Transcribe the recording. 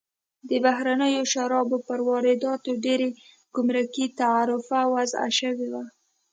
د بهرنیو شرابو پر وارداتو ډېر ګمرکي تعرفه وضع شوې وه.